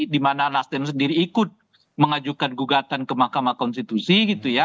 dimana nasdem sendiri ikut mengajukan gugatan ke mahkamah konstitusi gitu ya